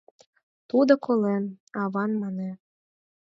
— Тудо колен, — авам мане.